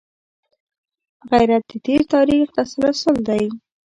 غیرت د تېر تاریخ تسلسل دی